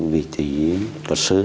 vị trí luật sư